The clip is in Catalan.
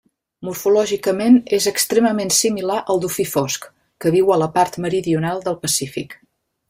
Morfològicament és extremament similar al dofí fosc, que viu a la part meridional del Pacífic.